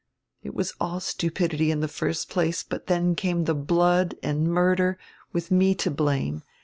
It was all stupidity in die first place, but then came blood and murder, with me to blame.